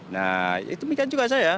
nah itu juga saya